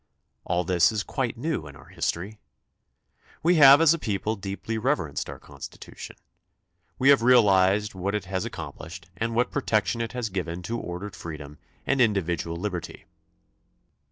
All this is quite new in our history. We have as a people deeply reverenced our Constitution. We have realized what it has accomplished and what protection it has given to ordered freedom and in dividual liberty.